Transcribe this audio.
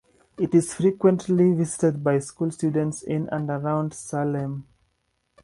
It is frequently visited by school students in and around Salem.